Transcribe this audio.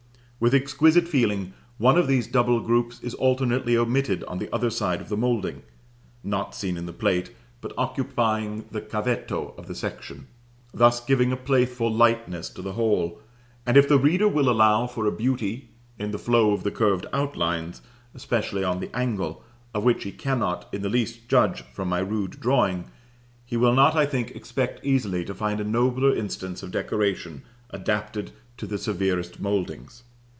With exquisite feeling, one of these double groups is alternately omitted on the other side of the moulding (not seen in the Plate, but occupying the cavetto of the section), thus giving a playful lightness to the whole; and if the reader will allow for a beauty in the flow of the curved outlines (especially on the angle), of which he cannot in the least judge from my rude drawing, he will not, I think, expect easily to find a nobler instance of decoration adapted to the severest mouldings.